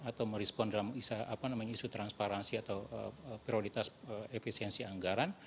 atau merespon dalam isu transparansi atau prioritas efisiensi anggaran